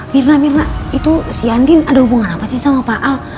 firna firna itu si andin ada hubungan apa sih sama pak al